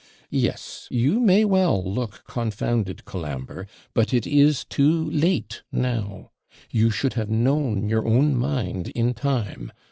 'Yes, you may well look confounded, Colambre; but it is too late now you should have known your own mind in time.